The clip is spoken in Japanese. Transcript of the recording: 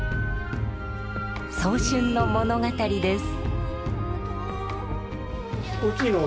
早春の物語です。